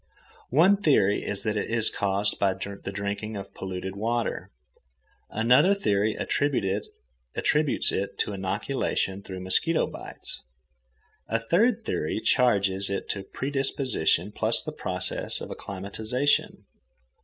One theory is that it is caused by the drinking of polluted water. Another theory attributes it to inoculation through mosquito bites. A third theory charges it to predisposition plus the process of acclimatization.